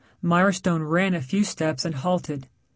Mirestone ran a few steps and halted.